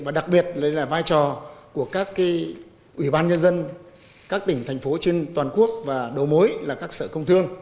và đặc biệt là vai trò của các ủy ban nhân dân các tỉnh thành phố trên toàn quốc và đầu mối là các sở công thương